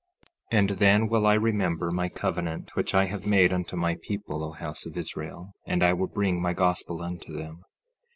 16:11 And then will I remember my covenant which I have made unto my people, O house of Israel, and I will bring my gospel unto them.